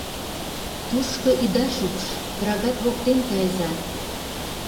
Тушко ида шупш: крагат воктен кайыза.